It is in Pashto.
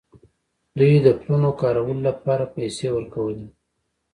دوی د پلونو کارولو لپاره پیسې ورکولې.